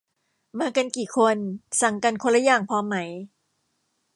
มากันกี่คน สั่งกันคนละอย่าง พอไหม